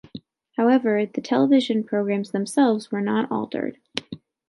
However, the television programs themselves were not altered.